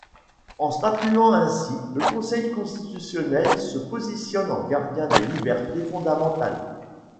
En statuant ainsi, le Conseil constitutionnel se positionne en gardien des libertés fondamentales.